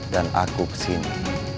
dan aku kesini